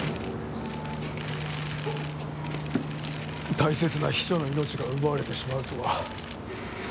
大切な秘書の命が奪われてしまうとは。